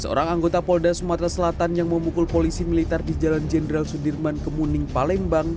seorang anggota polda sumatera selatan yang memukul polisi militer di jalan jenderal sudirman kemuning palembang